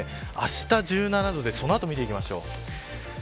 した１７度でその後見ていきましょう。